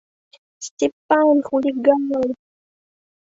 Степан — хулиган!..